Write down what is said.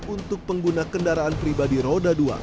untuk pengguna kendaraan pribadi roda dua